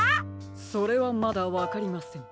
それはまだわかりません。